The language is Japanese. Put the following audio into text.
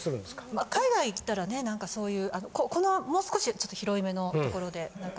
まあ海外行ったらねなんかそういうこのもう少し広いめのところでなんか。